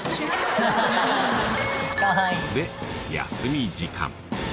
で休み時間。